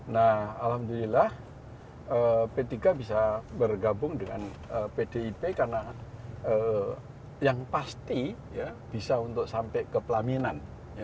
nah alhamdulillah p tiga bisa bergabung dengan pdip karena yang pasti bisa untuk sampai ke pelaminan